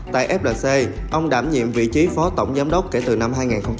tại flc ông đảm nhiệm vị trí phó tổng giám đốc kể từ năm hai nghìn một mươi